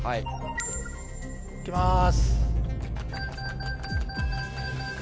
行きます。